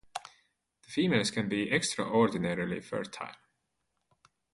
The females can be extraordinarily fertile.